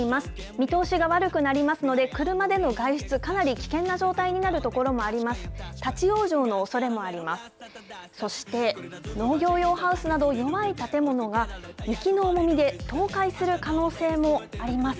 見通しが悪くなりますので、車での外出、かなり危険な状態になる所もあります。